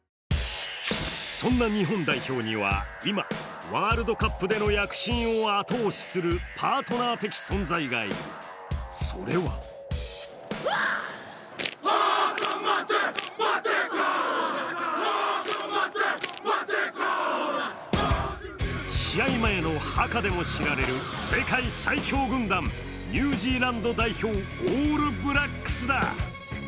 そんな日本代表には今、ワールドカップでの躍進を後押しするパートナー的存在がいるそれは試合前のハカでも知られる世界最強軍団ニュージーランド代表オールブラックスだ。